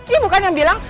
ibu kan yang bilang